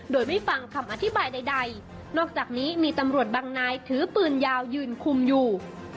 โดยไม่ฟังคำอธิบายใดนอกจากนี้มีตำรวจบางนายถือปืนยาวยืนคุมอยู่